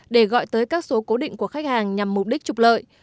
để gọi tới các số cố định của khách hàng nhằm mục đích trục lợi